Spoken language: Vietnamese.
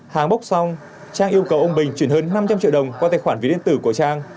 hàng bốc xong trang yêu cầu ông bình chuyển hơn năm trăm linh triệu đồng qua tài khoản ví điện tử của trang